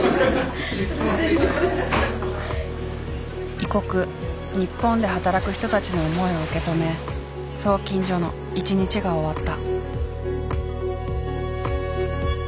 異国日本で働く人たちの思いを受け止め送金所の一日が終わった。